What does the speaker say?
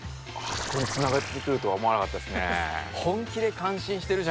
あそこにつながってくるとは思わなかったですね。